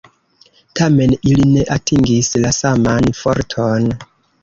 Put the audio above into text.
Tamen, ili ne atingis la saman forton.